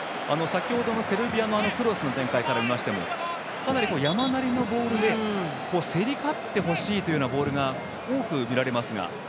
先ほどのセルビアのクロスの展開から見ましてもかなり山なりのボールで競り勝ってほしいというようなボールが多く見られますが。